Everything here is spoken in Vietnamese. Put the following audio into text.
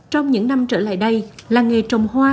trong những năm trở lại đây làng nghề trồng hoa